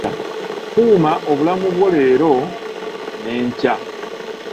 Kuma obulamu bwo leero n'enkya.